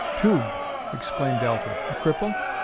"Tugh!" exclaimed Alten. "A cripple?